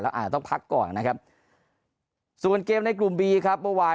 อาจต้องพักก่อนนะครับส่วนเกมในกลุ่มบีครับเมื่อวาน